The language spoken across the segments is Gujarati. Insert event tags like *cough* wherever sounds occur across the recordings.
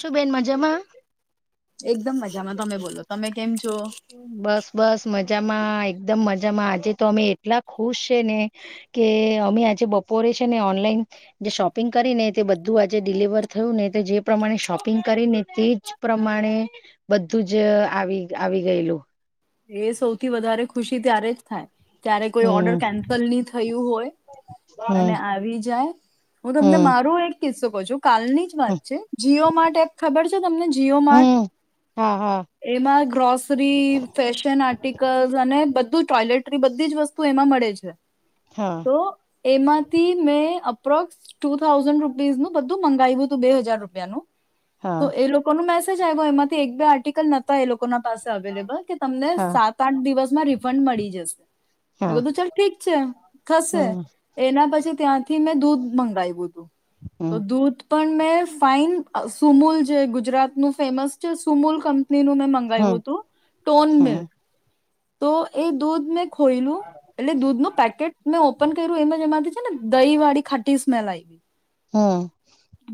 શું બેન મજામાં? એકદમ મજામાં, તમે બોલો તમે કેમ છો બસ બસ મજા. એકદમ મજામાં, આજે તો અમે એટલા ખુશ છે ને કે અમે આજે બપોરે ઓનલાઈન જે શોપિંગ કરીને તે બધું આજે ડિલિવર થયું ને જે પ્રમાણે શોપિંગ કરીને તેજ પ્રમાણે બધું જ આવી આવી ગયેલું એ સૌથી વધારે ખુશી ત્યારે જ થાય, જ્યારે કોઈ ઓર્ડર હમ કેન્સલ નહી થયું હોય અને હમ આવી જાય, હું તમને હમ મારું એક કિસ્સો કહ છું કાલની જ વાત હમ છે, જીઓ માર્ટ એપ ખબર છે તમને જીઓ માર્ટ હમ હા હા એમાં ગ્રોસરી ફેશન આર્ટિકલ્, અને બધું ટોયલેટરી બધી જ વસ્તુ એમાં મળે છે હા તો એમાંથી મેં અપ્રોક્સ ટુ થાઉઝેન્ડ રૂપીસ નું બધું મંગાવ્યું હતું બે હજાર રૂપિયાનું હા તો એ લોકો ન મેસેજ આવ ગયો એમાંથી એક બે આર્ટિકલ નોતા એ લોકો ના પાસે અવેલેબલ કે તમને હા સાત આઠ દિવસમાં રિફંડ મળી જશે મે હા કીધું ચલ ઠીક છે થશે હમ એના પછી ત્યાંથી થી મેં દૂધ મગાવ્યું હતું હમ તો દૂધ પણ મેં ફાાઈન સુમૂલ જે ગુજરાતનું ફેમસ છે સુમૂલ ક મે માવ હમ હતું ટોન મ હમ તો એ દૂધ મે ખોયલુ એટલે દૂધ નુ પેકેટ ઓપન કર્યું એમ એમાંથી છે ને દહી વાળી ખાટી સ્મેલ આઈ હમ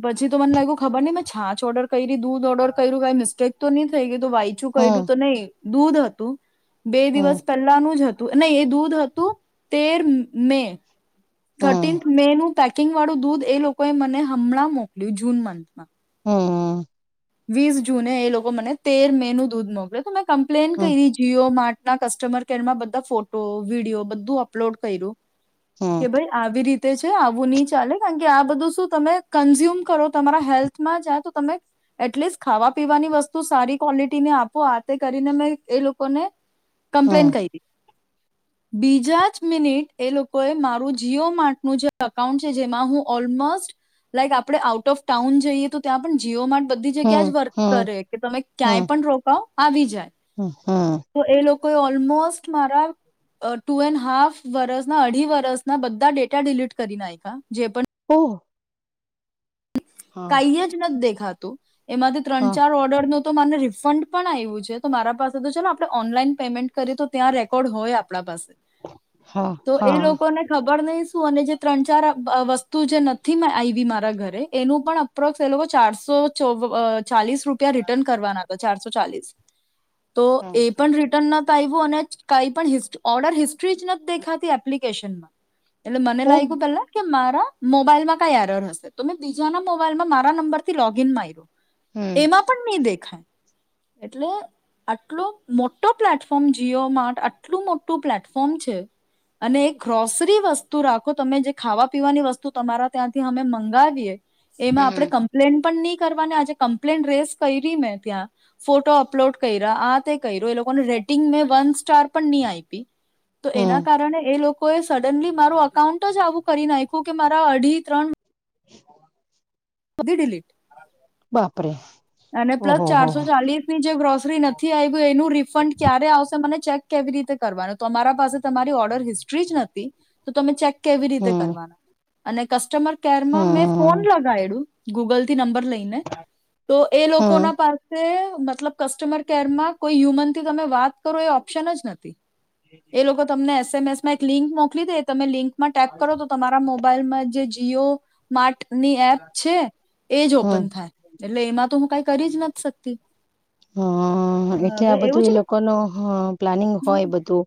પછી તો મને લાગ્યું ખબર ની મેં છાછ ઓર્ડર કેયરી દૂધ ઓર્ડર કર્યું કઈ મિસ્ટેક તો નહી થઈ ગઈ વાઈચું કર્યું હમ તો નહી દૂધ હતું બે હમ દિવસ પહેલાનું જ હતું ન એ દૂધ હતું તેર મે હમ થર્ટીન્થ મે નું પેકિંગ વાળું દૂધ એ લોકોએ મને હમણાં મોકલ્યું જૂન મંથમાં હા વીસ જૂને એ લોકો મને તેર મે નું દૂધ મોકલે તો મેં કમ્પ્લેન કરી જીઓ માટે ના કસ્ટમર કેર માં બધા ફોટો વિડીયો બધું અપલોડ કર્યું હમ કે ભાઈ આવી રીતે છે આવું નહી ચાલે કારણ કે આ બધું શું તમે કન્ઝ્યુમ કરો તમારા હેલ્થમાં જાય તો તમે એટલીસ્ટ ખાવા પીવાની વસ્તુ સારી ક્વોલિટીને આપો આ તે કરીને મેં એ લોકોને હમ કંપ્લેન્ટ કઈરી *inaudible* બીજા જ મિનિટ એ લોકો એ મારું જીઓ માર્ટનું જે અકાઉન્ટ છે જેમાં હું ઓલમોસ્ટ લાઈક આપણે આઉટ ઓફ ટાઉન જઈએ તો ત્યાં પણ જીઓ માર્ ક્યા જ હમ વર્ક હમ કરે કે તમે હમ ક્યાંય પણ રોકાવ આવી જાય હમ હમ તો એ લોકોએ ઓલમોસ્ટ મારા ટુ એન્ડ હાફ વર્સના અઢી વર્સના બધા ડેટા ડિલીટ કરી નાયેખાયા જે ઓ કઈ જ નથી દેખાતું એમાંથી ત્રણ હા ચાર ઓર્ડર નો તો મને રિફંડ પણ આવ્યું છે તો મારા પાસે તો ચાલો આપણે ઓનલાઈન પેમેન્ટ કરીએ તો ત્યાં ર પણ હોય આપણા પાસે હા તો એ હા લોકોને ખબર નહીં અને જે ત્રણ ચાર અ વસ્તુ જે નથી આવી મારા ઘરે એ પણ અપ્રોક્સ એ લોકો ચારસો અ ચાલીસ રૂપિયા રિટર્ન કરવાના હતા ચારસો ચાલીસ તો હા એ પણ રિટર્ન અને કઈ પણ ઓર્ડર હિસ્ટ્રી જ નથી દેખાતી એપ્લિકેશન માં એટલે મને ઓમ લાગ્યું પેલા કે મારા મોબાઈલમાં કઈ આરર હશે તો મેં બીજાના મોબાઈલમાં મારા નંબર થી લોગ ઇન માર્યો એમાં પણ નહી દેખાય હ *inaudible* એટલે આટલો મોટો પ્લેટફોર્મ જીઓ માટેર્ટ આટલું મોટું પ્લેટફોર્મ છે અને એ ગ્રોસરી વસ્તુ રાખો તમે જે ખાવા પીવાની વસ્તુ તમારા ત્યાંથી અમે મંગાવિય એમાં હમ આપડણે કમ્પ્લેન પણ નહી કરવાનાં આજે કમ્પ્લે રેશ ક‌યેરી મે ત્યા ફોટો અપલોડ કેઇરા આ તે કેયરો એ લોકો ને રેટિંગ મે વન સ્ટાર પણ નહી આપી તો હમ એના કારણે એ લોકો કો એ સડનલી મારું અઉન્ટ જ આવું કરી નાખ્યું કે મારા અઢી ત્રણ હ *inaudible* બંધી ડિલીટ બાપરે અને પ્લસ ઓહો હો ચારસો ચાલીસની જે ગ્રોસરી નથી આવ્યું એનું રિફંડ ક્યારે આવશે મને ચેક કેવી રીતે કરવાનું તમારા પાસે તમારી ઓર્ડર હિસ્ટ્રી જ નથી તો તમે ચેક કેવી રીતે હમ કરવાનું અને કસ્ટમર કેર મેં ફોન હમ લગાવું ગૂગલથી નંર લઈને તો એ લોકો હમ ના પાસે મતલબ કસ્ટમર કેરમાં કોઈ હ્યુમન થી તમે વાત કરો એ ઓપ્શન જ નથી એ લોકો તમને એસએમએસ માં એક લિંક મોકલી દે તમે લિંક માં ટેપ કરો તો તમારા મોબાઈલમાં જે જીઓ માર્ટ ની એપ છે એજ હમ ઓપન થાય એટલે એમાં તો હું કઈ કરી જ નથી શકતી હમ એટલે હવે આ એવું બધું એ છે કે લોકો ન પ્લાનિંગ હોય બધું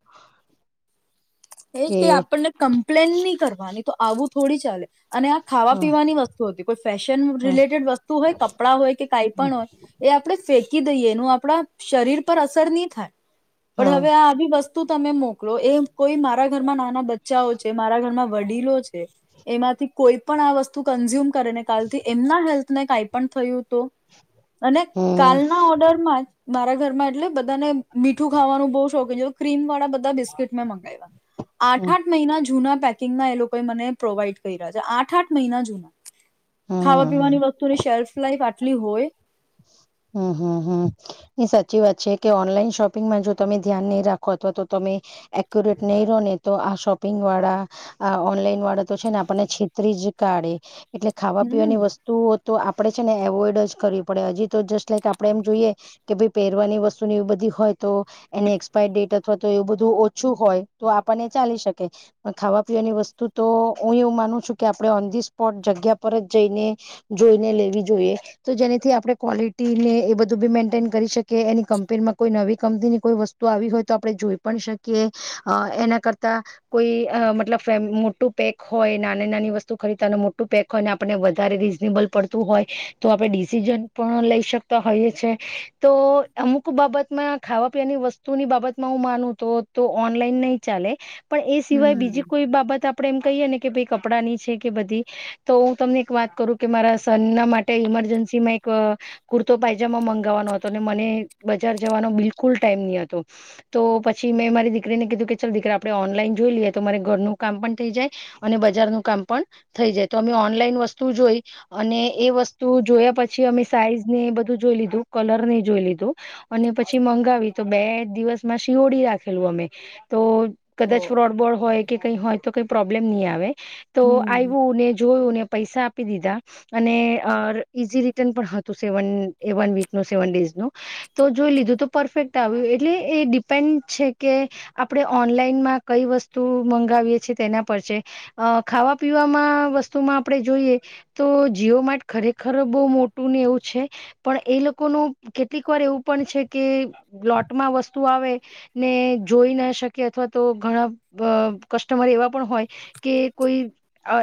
એજ કે આપણને કમ્પ્લેન નહી કરવાની તો આવું થોડી ચાલે અને આ હ હ ખાવા પીવાની વસ્તુ હતી કોઈ ફેશન હ રિલેટેડ વસ્તુ હોય કપડાં હોય કે કઈ પણ હોય આપણે ફેંકી દઈએ એનું આપણા શરીર પર અસર નહી થાય પણ હમ હવે આ આવી વસ્તુ તમે મોકલો એ કોઈ મારા ઘરમાં નાના બચ્ચાઓ છે મારા ઘરમાં વડીલો છે એમાંથી કોઈ પણ આ વસ્તુ કન્ઝ્યુમ ને કાલ થી એમના હેલ્થ ને કાંઈ પણ થયું તો અને કાલના ઓર્ડર માં જ મારા ઘરમાં એટલે બધાને મીઠું ખાવાનું બહુ શોખીન છે ક્રીમ વાળા બધા બિસ્કીટ મેં મંગાવ્યા આઠ હમ આઠ મહિના જૂના પેકિંગના એ લોકો મને પ્રોવાઈડ કરી રહ્યા છે આઠ આઠ મહિના જૂના ખાવા હમ પીવાની વસ્તુની શેલ્ફ લઇફ આટલી હોય હમ હમ હમ એ સાચી વાત છે કે ઓનલાઈન શોપિંગમાં જો તમે ધ્યાન નહી રાખો અવા તો તમે એક્યુરેટ નહી રહો ને તો આ શોપિંગ વાળા ઓનલાઈન વાળા તો છે ને છેતરી જ કાઢે એટલે ખાવા હમ પીવાની વસ્તુઓ તો આપડે છે ને એવોઈડ જ કરી પડે હજી તો જસ્ટ લાઈક આપણે એમ જોઈએ કે ભાઈ પહેરવાની વસ્તુ ની એ બધી હોય તો એની એક્સપાયર ડેટ અથવા તો એવું બધું ઓછું હોય તો આપણને ચાલી શકે પણ ખાવા પીવાની વસ્તુ તો માનું છું કે આપણે ઓન ધી સ્પોટ જગ્યા પર જ જઈને જોઈને લેવી જોઈએ તો જેનાથી આપ આપણે ક્વોલિટીને એ બધું બી મેન્ટેન કરી શકીએ એની કં્પેનમાં કોઈ નવી કંપની કોઈ વસ્તુ આવી હોય તો આપણે આપ જોઈ પણ શકીએ એના કરતા કોઈ મતલબ ફ મોટું પેક હોય નાની નાની વસ્તુ ખરીદતા મોટું પેક હોય અને આપને વધારે રીઝનેબલ પડતું હોય તો આપડે ડિસિઝન પણ લઈ શકતા હોઈએ છે તો અમુક બાબતમાં ખાવા પીવાની વસ્તુની બાબતમાં નલા નહી ચાલે પણ એ સિય બીજી હમ કોઈ બાબત આપ એમ કહી કે ભ કપડા ની છે કે બધી તો હું તમને એક વાત કરું કે મારા સન ના માટે ઈમરજન્સી માં કુર્તો પાયજામા મંગાવવાનો હતો ને મને બજાર જવાનો બિલકુલ ટાઈમ નહ હતો તો પછી મેં મારી દીકરીને કીધું કે ચાલ દીકરા આપડે ઓનલાઈન જોઈ લઈએ તો મારે ઘરનું કામ પણ થઈ જાય અને બજનું કામ થઈ જાય તો અમે ઓનલાઈન વસ્તુ જોઈ અને એ વસ્તુ જોયા પછી પછી અમે સાઈઝ ને બધું જોઈ લીધું કલર ને જોઈ લીધું અને પછી મંગાવી તો બે દિવસ બસમાં શિઓડી રાખેલું અમે તો ઓ કદાચ ફોડ બોડ હોય કે કઈ હોય તો કઈ પ્રોબ્લેમ નહી આવે તો હમ આવું ને જોયું ને પૈસા આપી દીધા અને ઈઝ રી વીક સેવન ડે તો જોઈ લીધું પરફેક્ટ આવ એટલે તે ડિપેન્ડ છે કે આપણે ઓનલાઈનમાં કઈ વસ્તુ મંગાવીએ છેીએ તેના પર છે અ ખાવા પીવાવામાં વસ્તુમાં આપડણે જોઈએ તો જીઓ માર્ટ ખરેખર બહ મોટ એવું છે પણ એ લોકોનું કેટલીક વાર એવું પણ છે કે બ્ટમાં વસ્તુ આવે ને જોઈ ના શકે અથવા તો ઘણા અ કસ્ટમર એવા પણ હોય કે કોઈ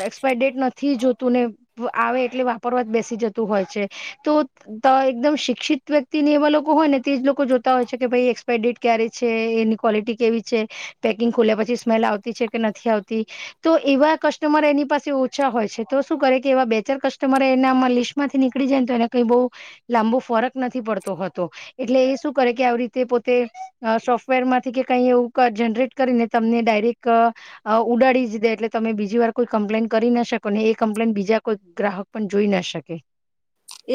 એક્સપાયર ડેટ નથી જોતું ને આવે એટલે વાપરવા જ બેસી જતું હોય છે તો એકદમ શિક્ષિત વ્યક્તિને એવા લોકો હોય ને તે જ લોકો જોતા હોય છે કે ભાઈ એક્સપાય ડેટ ક છે એની ક્વલિટી કેવી છે પેકિંગ ખોલ્યા પછી સ્મેલ આવતી છે કે નથી આવતી તો એવા કસ્ટમર એની પાસે ઓછા હોય છે તો શું કરે કે એવા બેચર કસ્ટમર એના આમાં લિસ્ટમાંથી નીકળ પનીકડી જાય ને તો એને કઈ બહુ લાંબો ફરક નથી પડતોતો એટલે એ શું કરે કે આવી રીતે પોતે સોફ્ટવેર માંથી કે કઈ એવું જનરેટ કરીને તમને ડાયરેક્ટ ઉડાડી જ દે એટલે તમે બીજી વાર કોઈ કમ્પ્લેન કરી ના શકો ને એ કમ્પ્લેન બીજા કોઈ ગ્રાહક પણ જોઈ ના શકે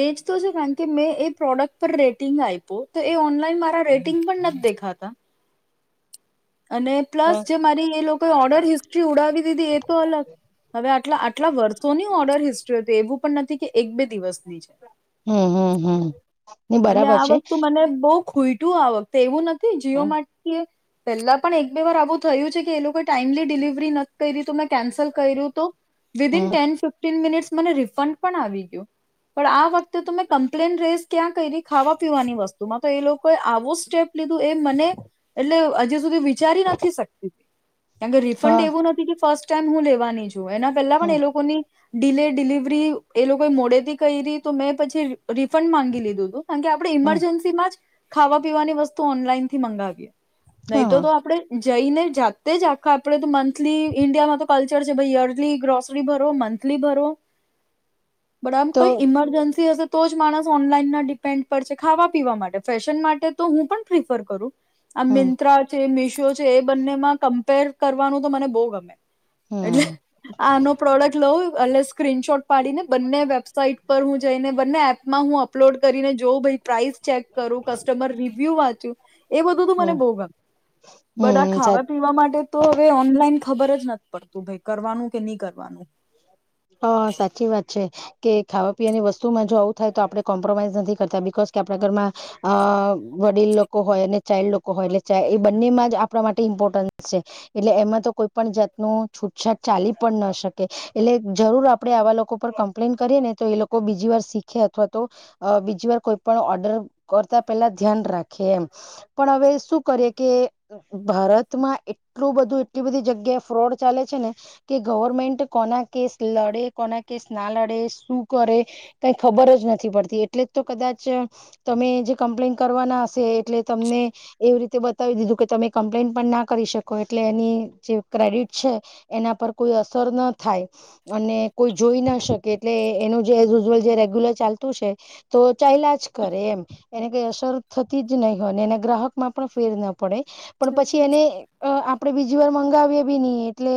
એજ તો છે કારણ કે મેં એ પ્રોડક્ટ પર રેટિંગ આપ્યું તો એ ઓન *unintelligible* મારા રેટિંગ પણ નથી દેખાતા. અને પ્લસ હમ જે મારી એ લોકોએ ઓર્ડર હિસ્ટ્રી ઉડાવી દીધી એ તો અલગ હવે આટ આટલા વર્ષોની ઓર્ડર હિસ્ટ્રી હતી એવું પણ નથી કે એક બે દિવસની છે. હમ્મ હમ્મ હમ્મ. એટલે આ વખતું મને બહ ખોઈટું આ વખતે એવું નથી જીઓ હમ માટે થી પેલા પણ એક બે વાર આવું થયું છે કે એ લોકો ટાઈમલી ડિલિવરી નથી કરી દી તું મેં કેન્સલ કર્યું તો વિદન ટેન ફિફ્ટીન મિનિટ્સ મને રિફંડ પણ આવી ગ્યું પણ આ વખતે તો મે કમ્પ્લેન રેજ કયા કયરી ખાવા પીવાની વસ્તુમાં તો એ લોકો આવો સ્ટેપ લીધું એ મને એટલે હજી સુધી વિચારી નથી શકતી. કારમ કે રિફંડ હા એવું નથી કે ફર્સ્ટ ટાઈમ હું લેવાની છું એના પહેલા પણ હમ એ લોકોની ડીલે ડિલિવરી એ લોકો મોડેથી કઈ રહી તો મેં પછી રિફંડ માંગી લીધું. હતું કારણ કે આપણે હમ ઈમરજન્સી માં જ ખાવા પીવાની વસ્તુ ઓનલાઈન થી મંગાવીએ. નહી તો હા તો આપડે જઈને જાતે જ આખા આપણે તો મંથલી ઇન્ડિયામાં તો કલ્ચર છે ભાઈ યરલી ગ્રોસરી ભરો મંથ લી ભરો. બટ આમ તો કઈ ઈમરજન્સી હશે તો જ માણસ ઓનલાઈન ના ડી પેન્ટ પર છે ખાવા પીવા માટે ફેશન માટે તો હું પણ પ્રિફર કરું. આ હમ મિંત્રા છે મીશો છે એ બંનેમાં કમ્પેર કરવાનું તો મને બહુ ગમે. એટલે હમ આનો પ્રોડક્ટ લઉ એટ સ્ક્રીનશોટ પાડીને બંને વેબસાઇટ પર હું જઈને બંને એપમાં હું અપલોડ કરીને જોઉં ભાઈ પ્રાઇસ ચેક કરું કસ્ટમર રિવ્યુ વાંચ્યું. એ બધું તો હમ મને બહુ ગમે બટ આ હમ સાચી ખાવા પીવા માટે તો હવે ઓનલાઈન ખબર જ નથી પડતું ભ કરવાનું કે નહી કરવાનું. હા સાચી વાત છે કે ખાવા પીવાની વસ્તુમાં જો આવું થાય તો આપડણે કોમ્પ્રોમાઈઝ નથી કરતા બિકાઝ કે આપણા ઘરમાં અ વડીલ લોકો હોય અને ચાઇલ્ડ લોકો હોય એટલે એ બંનેમાં જ આપણા માટે ઇમ્પોર્ટન્સ છે એટલે એમાં તો કોઈ પણ જાતનું છૂટછાટ ચાલી પણ ન શકે એટલે જરૂર આપડણે આવા લોકો પર કમ્પ્લેન કરીએ ને તો એ લોકો બીજી વાર શીખે અથવા તો બીજી વાર કોઈ પણ ઓર્ડર કરતા પેલા ધ્યાન રાખીએ એમ પણ હવે શું કરીએ કે ભારતમાં એટલું બધું એટલી બધી જગ્યાએ ફ્રોડ ચાલે છે ને કે ગવર્મેન્ટ કોના કેસ લડે કોના કેસ ના લડે શું કરે કઈ ખબર જ નથી પડતી એટલે તો કદાચ જ જે કમ્પ્લેન કરવાના હશે એટલે તમને એવી રીતે બતાવી દીધું કે તમે કમ્પ્લેન પણ ના કરી શકો એટલે એની જે ક્રેડિટ છે એના પર કોઈ અસર ન થાય. અને કોઈ જોઈ ના શકે એટલે એનું જે ઝલ જે રેગ્યુલર ચાલતું છે તો ચ યલાજ કરે એમ એને કઈ અસર થતી જ નહી હોય એને ગ્રાહક માં પણ ફેર ના પડે. પણ પછી હમ એને અ આપડણે બીજી વાર મંગાવીએ બી ન એટલે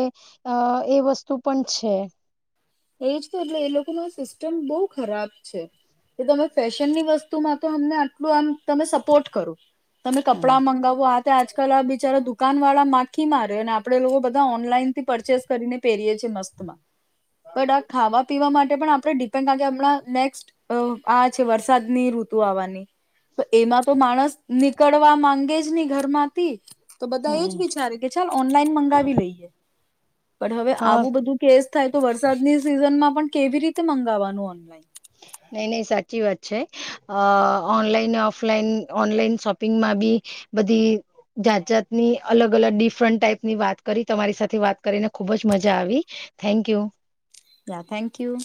અ એ વસ્તુ પણ છે. એજ તો જો એ લોકોનો સિસ્ટમ બહુ ખરાબ છે. એ તમે ફેશનની વસ્તુમાં તો અમને આટલું આમ તમે સપોર્ટ કરો. તમે કપડા હમ મંગાવો આ આજકાલ આ બિચારા દુખ કાન વાળા માખી મારે અને આપણેે લોકો બધા ઓનલાઈન થી પરચેસ કરીને પહેરીએ છીએ મસ્તમાં. બટ આ ખાવા પીવા માટે પણ આપણે ડિપેન્ડ કાર કે આમણા નેક્સ્ટ આ છે વરસાદની ઋતુ તો અવાની એમાં તો માણસ નીકળવા માંગે જ નહી ઘરમાંથી. તો બધા એજ હમ વિચારે કે ચલ ઓનલાઈન મંગાવી લઈએ પણ હવે હા આવું બધું કેસ થાય તો વરસાદ ની સિઝન માં પણ કેવી રીતે મંગાવવાનું ઓનલાઈન. હ *unintelligible* નહી નહી સાચી વાત છે અ ઓનલાઈન ઓફલાઈન ઓનલાઈન શોપિંગમાં બી બધી જાત જાતની અલગ અલગ ડિફરન્ટ ટાઈપ ની વાત કરી તમારી સાથે વાત કરીને ખુબ જ મજા આવી thank you. Yeah thank you.